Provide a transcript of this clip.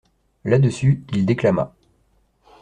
Là-dessus, il déclama.